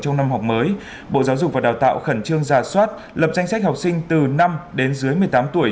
trong năm học mới bộ giáo dục và đào tạo khẩn trương ra soát lập danh sách học sinh từ năm đến dưới một mươi tám tuổi